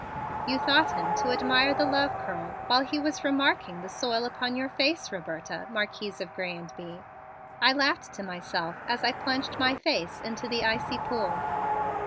"You thought him to admire the love curl, while he was remarking the soil upon your face, Roberta, Marquise of Grez and Bye," I laughed to myself as I plunged my face into the icy pool.